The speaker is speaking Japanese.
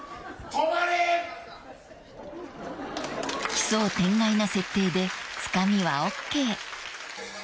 ［奇想天外な設定でつかみはＯＫ］